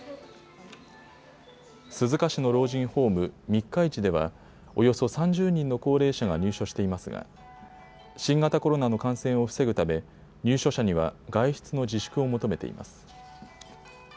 鈴鹿市の老人ホーム、みっかいちではおよそ３０人の高齢者が入所していますが新型コロナの感染を防ぐため入所者には外出の自粛を求めています。